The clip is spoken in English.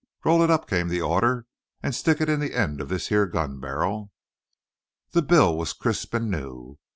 "Roll it up," came the order, "and stick it in the end of this here gun bar'l." The bill was crisp and new.